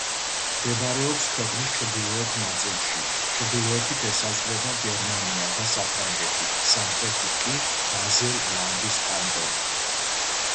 მდებარეობს ქვეყნის ჩრდილოეთ ნაწილში, ჩრდილოეთით ესაზღვრება გერმანია და საფრანგეთი, სამხრეთით კი ბაზელ-ლანდის კანტონი.